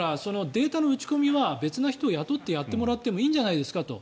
データの打ち込みは別の人を雇ってやってもいいんじゃないですかと。